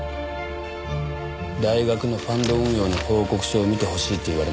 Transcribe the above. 大学のファンド運用の報告書を見てほしいって言われました。